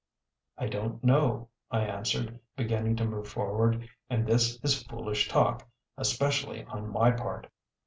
"I don't know," I answered, beginning to move forward; "and this is foolish talk especially on my part!"